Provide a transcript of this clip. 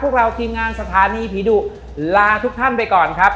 พวกเราทีมงานสถานีผีดุลาทุกท่านไปก่อนครับ